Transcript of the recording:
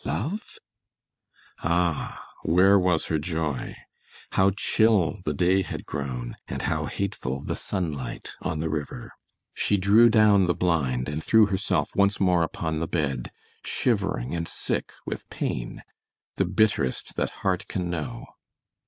Love? Ah, where was her joy! How chill the day had grown and how hateful the sunlight on the river. She drew down the blind and threw herself once more upon the bed, shivering and sick with pain the bitterest that heart can know.